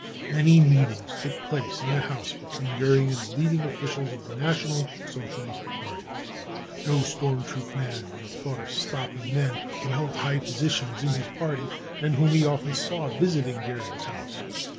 Many meetings took place in' this house between Goering and the leading officials of the National Socialist Party. No storm troop man would have thought of stopping men who held high positions in his party and whom he often saw visiting Goering's house.